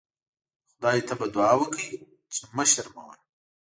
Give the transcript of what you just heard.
خدای ته به دوعا وکړئ چې مه شرموه.